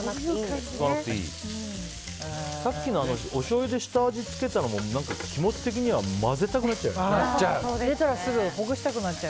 さっきのおしょうゆで下味をつけたのも入れたらすぐほぐしたくなっちゃう。